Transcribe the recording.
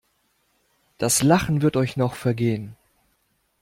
Das Lachen wird euch noch vergehen.